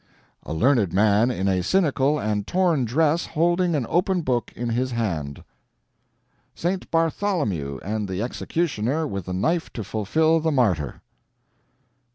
"A learned man in a cynical and torn dress holding an open book in his hand." "St. Bartholomew and the Executioner with the knife to fulfil the martyr."